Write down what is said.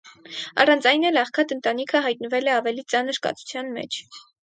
Առանց այն էլ աղքատ ընտանիքը հայտնվել է ավելի ծանր կացության մեջ։